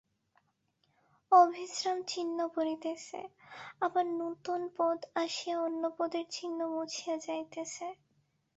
অবিশ্রাম চিহ্ন পড়িতেছে, আবার নূতন পদ আসিয়া অন্য পদের চিহ্ন মুছিয়া যাইতেছে।